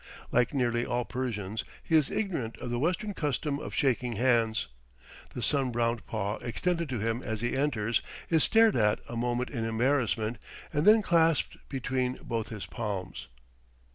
Like nearly all Persians, he is ignorant of the Western custom of shaking hands; the sun browned paw extended to him as he enters is stared at a moment in embarrassment and then clasped between both his palms.